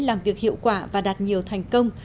làm việc hiệu quả và đạt nhiều thành công